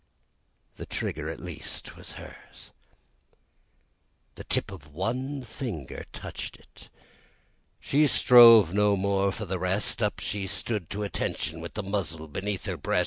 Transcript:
The trigger at least was hers! The tip of one finger touched it, she strove no more for the rest; Up, she stood up at attention, with the barrel beneath her breast.